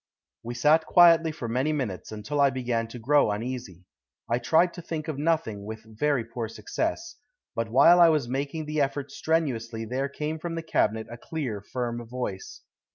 We sat quietly for many minutes, until I began to grow uneasy. I tried to think of nothing with very poor success, but while I was making the effort strenuously there came from the cabinet a clear, firm voice.